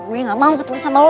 gue gak mau ketemu sama lo